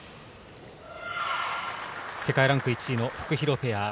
世界ランク１位のフクヒロペア。